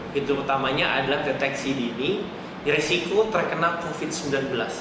pintu utamanya adalah deteksi dini resiko terkena covid sembilan belas